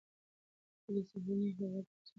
د کلي سهارنۍ هوا د انسان روح تازه کوي.